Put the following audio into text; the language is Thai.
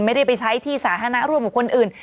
ไม่ได้ไปใช้ที่สาธารณะร่วมกับคนอื่น